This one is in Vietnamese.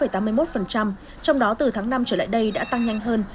trong đó từ tháng năm trở lại đây đã tăng nhanh hơn